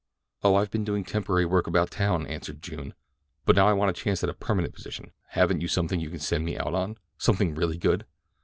"Oh, I've been doing temporary work about town," answered June; "but now I want a chance at a permanent position. Haven't you something that you could send me out on? Something really good."